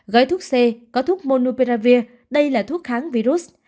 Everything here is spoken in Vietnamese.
gói thuốc c có thuốc monuperavir đây là thuốc kháng virus